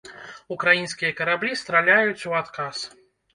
Украінскія караблі страляюць у адказ.